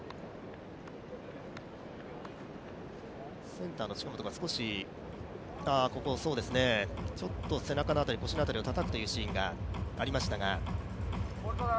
センターの近本、そうですね、背中の辺り、腰の辺りをたたくというシーンがありましたが。